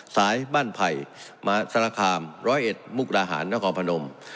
สายบ้านไผ่มหาศาลคามร้อยเอ็ดมุกราหารและของพนม